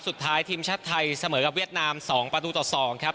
สุดท้ายทีมชาติไทยเสมอกับเวียดนาม๒ประตูต่อ๒ครับ